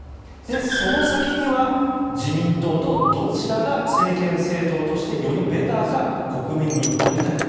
その先には、自民党とどちらが政権政党としてよりベターか国民に問いたいと。